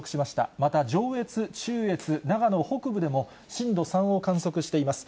また上越、中越、長野北部でも震度３を観測しています。